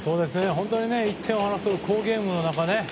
本当に１点を争う好ゲームの中でね